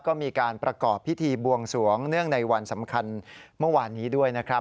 ก็มีการประกอบพิธีบวงสวงเนื่องในวันสำคัญเมื่อวานนี้ด้วยนะครับ